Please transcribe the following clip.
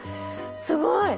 すごい！